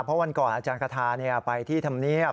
เพราะวันก่อนอาจารย์คาทาไปที่ธรรมเนียบ